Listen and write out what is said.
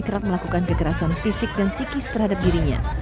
kerap melakukan kekerasan fisik dan psikis terhadap dirinya